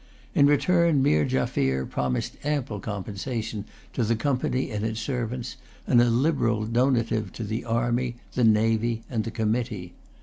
In return, Meer Jaffier promised ample compensation to the Company and its servants, and a liberal donative to the army, the navy, and the committee.